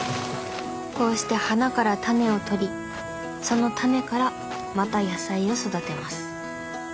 こうして花からタネをとりそのタネからまた野菜を育てます。